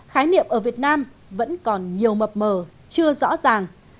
khái niệm ở việt nam vẫn còn nhiều mập mờ chưa rõ ràng